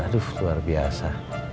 aduh luar biasa